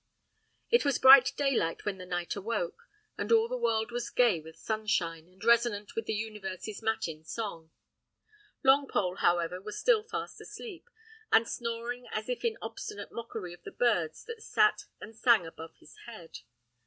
It was bright daylight when the knight awoke, and all the world was gay with sunshine, and resonant with the universe's matin song. Longpole, however, was still fast asleep, and snoring as if in obstinate mockery of the birds that sat and sang above his head.